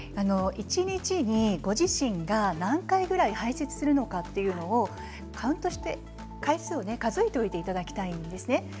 一日にご自身が何回くらい排せつするのか回数を数えておいていただきたいんですね。